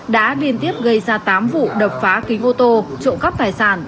đã liên tiếp gây ra tám vụ đập phá kính ô tô trộm cắp tài sản